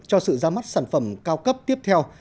cho sự ra mắt sản phẩm cao cấp tiếp theo